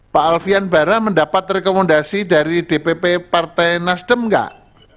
pak alfian bara mendapat rekomendasi dari dpp partai nasdem enggak